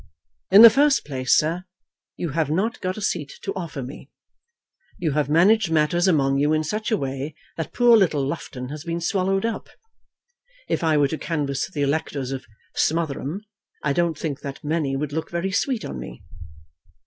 "In the first place, sir, you have not got a seat to offer me. You have managed matters among you in such a way that poor little Loughton has been swallowed up. If I were to canvass the electors of Smotherem, I don't think that many would look very sweet on me."